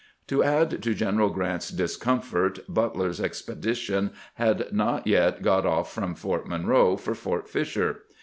To add to General G rant's discomfort, Butler's expe dition had not yet got off from Fort" Monroe for Fort Fisher.